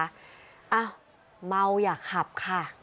เอ้าเมาอย่าขับค่ะ